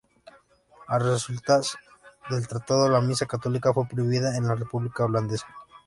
A resultas del tratado la misa católica fue prohibida en la República holandesa.